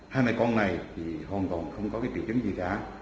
hai mẹ con này thì hoàn toàn không có cái triệu chứng gì cả